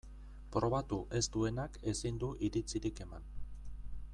Probatu ez duenak ezin du iritzirik eman.